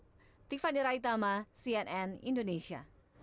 dan ini adalah sebuah perkembangan yang sangat penting untuk membuat perkembangan indonesia